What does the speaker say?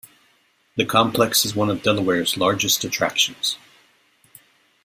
The complex is one of Delaware's largest attractions.